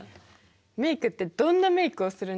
メイクってどんなメイクをするんですか？